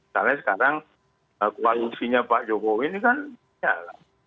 soalnya sekarang koalusinya pak jokowi ini kan tidak lah